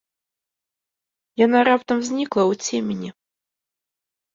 Яна раптам знікла ў цемені.